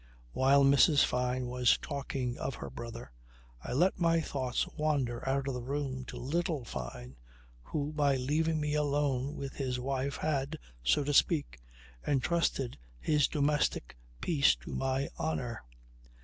While Mrs. Fyne was talking of her brother I let my thoughts wander out of the room to little Fyne who by leaving me alone with his wife had, so to speak, entrusted his domestic peace to my honour.